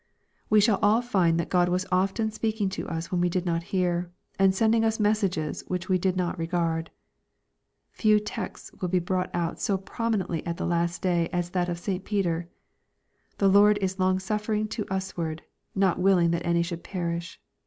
We shall all find that God was often speaking to us when we did not hear, and sending us messages which we did not regard. Few texts will be brought out so prominently at the last day as that of St. Peter : "The Lord is long suffering to usward, not willing that any should perish.''